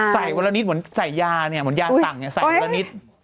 ใส่วันละนิดเหมือนใส่ยาเหมือนยาสั่งใส่วันละนิด